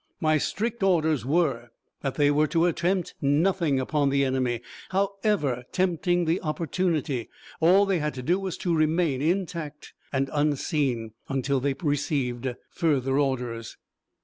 My strict orders were that they were to attempt nothing upon the enemy, however tempting the opportunity. All they had to do was to remain intact and unseen, until they received further orders.